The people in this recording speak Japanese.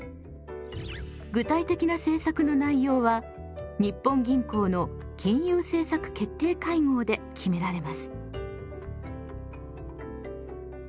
具体的な政策の内容は日本銀行の金融政策決定会合で決められます。